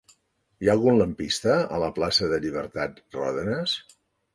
Hi ha algun lampista a la plaça de Llibertat Ròdenas?